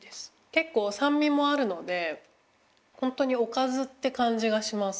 けっこうさんみもあるのでほんとにおかずってかんじがします。